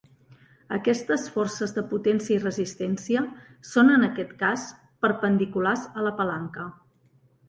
Aquestes forces de potència i de resistència són, en aquest cas, perpendiculars a la palanca.